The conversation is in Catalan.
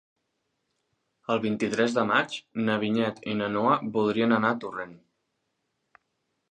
El vint-i-tres de maig na Vinyet i na Noa voldrien anar a Torrent.